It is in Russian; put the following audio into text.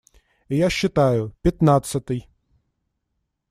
И я считаю: пятнадцатый.